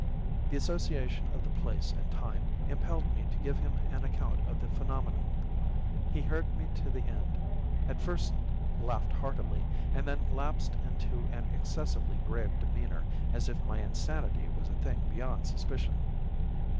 The association of the place and time impelled me to give him an account of the phenomenon. He heard me to the end—at first laughed heartily—and then lapsed into an excessively grave demeanor, as if my insanity was a thing beyond suspicion.